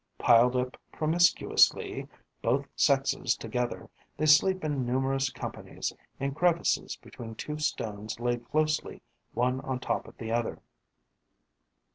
Piled up promiscuously, both sexes together, they sleep in numerous companies, in crevices between two stones laid closely one on top of the other.